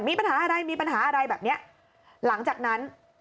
มีปัญหาอะไรมีปัญหาอะไรแบบเนี้ยหลังจากนั้น